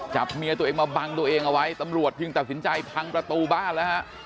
จับเมียตัวเองมาบังตัวเองเอาไว้ตำรวจจึงตัดสินใจพังประตูบ้านแล้วฮะ